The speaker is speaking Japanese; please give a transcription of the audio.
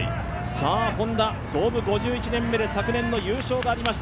Ｈｏｎｄａ、創部５１年目で昨年の優勝がありました。